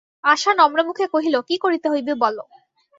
আশা নম্রমুখে কহিল, কী করিতে হইবে বলো।